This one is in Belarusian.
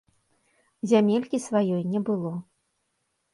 Зямелькі сваёй не было.